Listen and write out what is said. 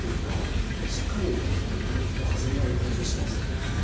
しっかりおかずになる感じがしますね。